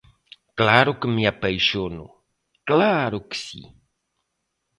Claro que me apaixono, claro que si.